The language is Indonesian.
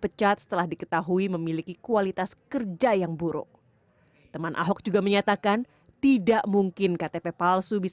ketahuan ketahuan kualitas datanya memang tidak bagus